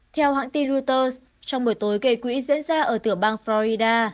theo hãng tin reuters trong buổi tối kỳ quỹ diễn ra ở tỉa bang florida